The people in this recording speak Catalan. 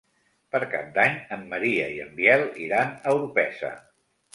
Per Cap d'Any en Maria i en Biel iran a Orpesa.